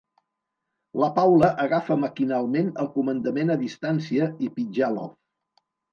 La Paula agafa maquinalment el comandament a distància i pitjà l'off.